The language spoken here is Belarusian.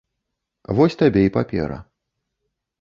Вось табе і папера.